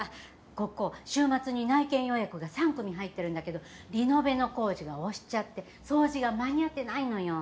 ここ週末に内見予約が３組入ってるんだけどリノベの工事が押しちゃって掃除が間に合ってないのよ。